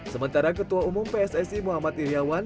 sementara ketua umum pssi muhammad iryawan